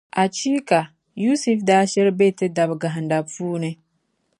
Achiika Yusif daa shiri be Ti daba gahinda puuni.